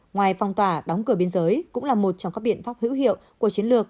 ngoài phong tỏa đóng cửa biên giới cũng là một trong các biện pháp hữu hiệu của chiến lược